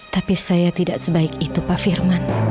tapi saya tidak sebaik itu pak firman